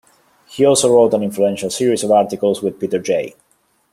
He also wrote an influential series of articles with Peter J.